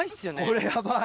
これ、やばい。